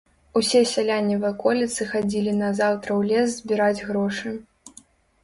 Усе сяляне ваколіцы хадзілі назаўтра ў лес збіраць грошы.